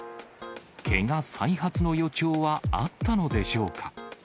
けが再発の予兆はあったのでしょうか。